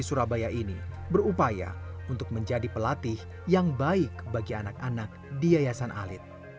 surabaya ini berupaya untuk menjadi pelatih yang baik bagi anak anak di yayasan alit